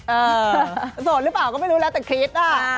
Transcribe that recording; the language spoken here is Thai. โสดหรือเปล่าก็ไม่รู้แล้วแต่คิดอ่ะ